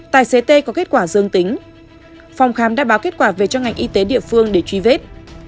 tài xế tê có kết quả dương tính phòng khám đã báo kết quả về cho ngành y tế địa phương để truy vết